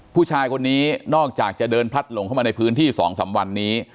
ผู้ชายคนนี้นอกจากจะเดินพลัดหลงเข้ามาในพื้นที่๒๓วันนี้